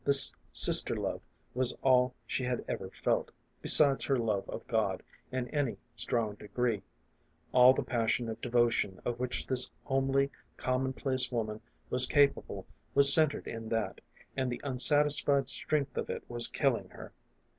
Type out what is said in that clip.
This sister love was all she had ever felt, besides her love of God, in any strong degree ; all the passion of devotion of which this homely, commonplace woman was capable was centred in that, and the unsatisfied strength of it was killing her.